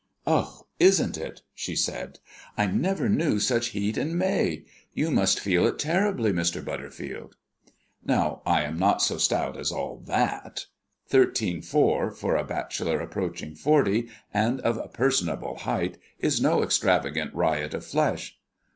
"Oh! isn't it?" she said. "I never knew such heat in May. You must feel it terribly, Mr. Butterfield." Now, I am not so stout as all that. Thirteen four, for a bachelor approaching forty, and of personable height, is no extravagant riot of flesh.